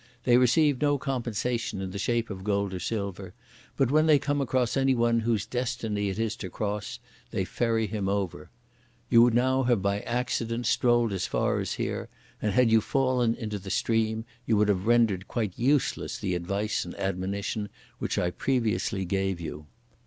They receive no compensation in the shape of gold or silver, but when they come across any one whose destiny it is to cross, they ferry him over. You now have by accident strolled as far as here, and had you fallen into the stream you would have rendered quite useless the advice and admonition which I previously gave you."